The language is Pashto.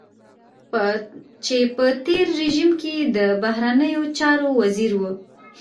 چې په تېر رژيم کې د بهرنيو چارو وزير و.